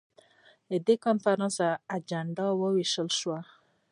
د کنفرانس اجندا وویشل شول.